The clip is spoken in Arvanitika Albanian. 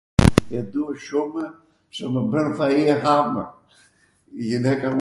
e dua shumw pse mw bwn fai e hamw.